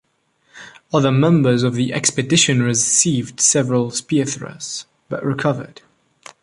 Other members of the expedition received several spear thrusts, but recovered.